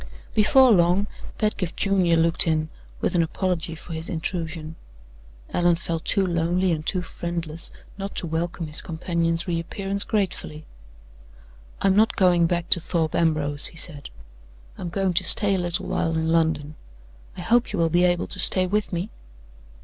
Before long, Pedgift Junior looked in, with an apology for his intrusion. Allan felt too lonely and too friendless not to welcome his companion's re appearance gratefully. "I'm not going back to Thorpe Ambrose," he said; "I'm going to stay a little while in London. I hope you will be able to stay with me?"